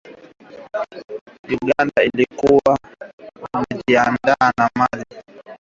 Uganda ilikuwa inajiandaa na hali yoyote yenye itakayojitokeza ikiwa na mpango.